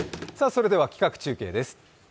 それでは企画中継です。